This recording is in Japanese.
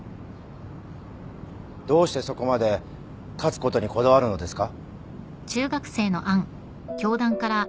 どうしてそこまで勝つことにこだわるのですか？